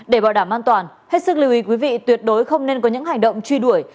để bảo đảm an toàn hết sức lưu ý quý vị tuyệt đối không nên có những hành động truy đuổi